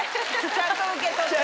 ちゃんと受け取って。